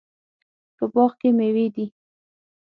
په باغ کې میوې دي